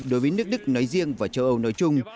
đối với nước đức nói riêng và châu âu nói chung